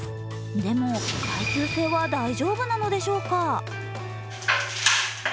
でも、耐久性は大丈夫なのでしょうか？